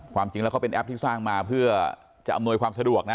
ความจริงแล้วเขาเป็นแอปที่สร้างมาเพื่อจะอำนวยความสะดวกนะ